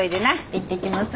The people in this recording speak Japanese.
行ってきます。